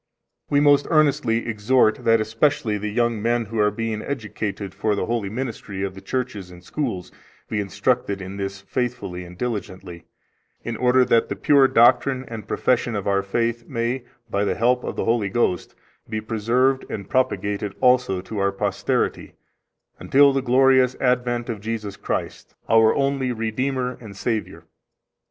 We most earnestly exhort that especially the young men who are being educated for the holy ministry of the churches and schools be instructed in this faithfully and diligently, in order that the pure doctrine and profession of our faith may, by the help of the Holy Ghost, be preserved and propagated also to our posterity, until the glorious advent of Jesus Christ, our only Redeemer and Savior.